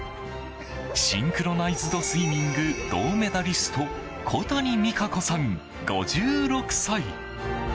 シンクロナイズドスイミング銅メダリスト小谷実可子さん、５６歳。